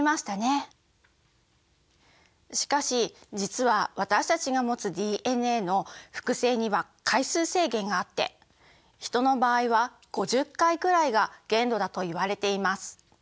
しかし実は私たちが持つＤＮＡの複製には回数制限があってヒトの場合は５０回くらいが限度だといわれています。